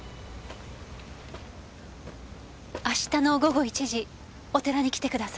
明日の午後１時お寺に来てください。